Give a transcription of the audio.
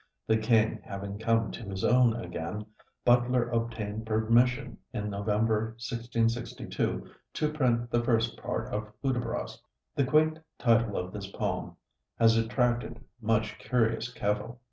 The King having come to his own again, Butler obtained permission in November 1662 to print the first part of 'Hudibras.' The quaint title of this poem has attracted much curious cavil.